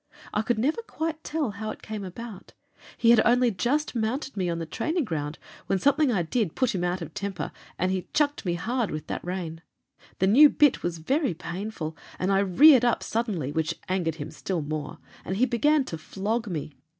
I could never quite tell how it came about; he had only just mounted me on the training ground, when something I did put him out of temper, and he chucked me hard with the rein. The new bit was very painful, and I reared up suddenly, which angered him still more, and he began to flog me.